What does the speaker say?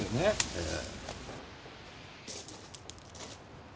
ええ。